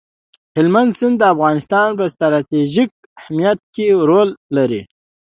هلمند سیند د افغانستان په ستراتیژیک اهمیت کې رول لري.